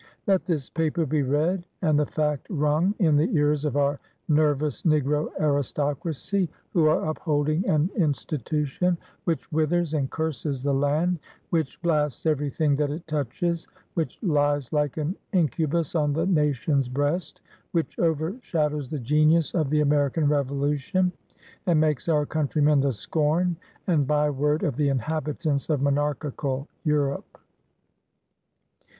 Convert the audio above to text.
Let this paper be read and the fact rung in the ears of our nervous negro aristocracy, who are upholding an in stitution which withers and curses the land, which blasts every thing that it touches, which lies like an incubus on the nation's breast, which overshadows the Genius of the American Revolution, and makes oA countrymen the scorn and by word of the inhabitants of monarchical Europe.